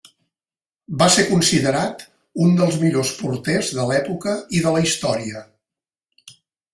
Va ser considerat un dels millors porters de l'època i de la història.